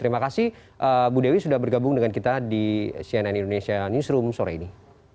terima kasih bu dewi sudah bergabung dengan kita di cnn indonesia newsroom sore ini